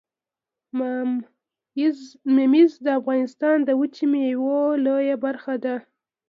ممیز د افغانستان د وچې میوې لویه برخه ده